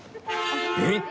えっ？